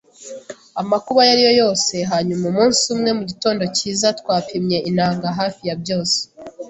amakuba ayo ari yo yose; hanyuma, umunsi umwe, mugitondo cyiza, twapimye inanga, hafi ya byose